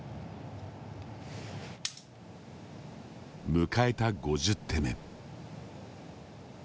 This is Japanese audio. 迎えた５０手目。